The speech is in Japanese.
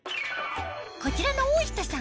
こちらの大下さん